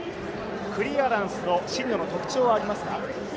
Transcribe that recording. クリアランスの真野の特徴はありますか？